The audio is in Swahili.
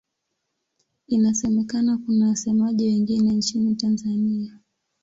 Inasemekana kuna wasemaji wengine nchini Tanzania.